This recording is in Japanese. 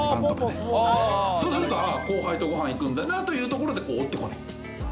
そうするとああ後輩とご飯行くんだなというところで追ってこない。